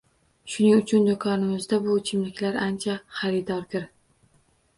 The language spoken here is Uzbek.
Shuning uchun do‘konimizda bu ichimliklar ancha xaridorgir.